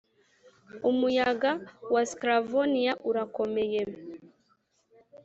'umuyaga wa sclavoniya urakomeye,